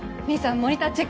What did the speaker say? モニターチェック